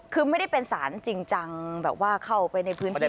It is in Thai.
คือไม่ได้เป็นสารจริงจังแบบว่าเข้าไปในพื้นที่